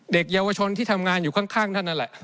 เด็กเยาวชนที่ทำงานอยู่ข้างท่านนั่นแหละ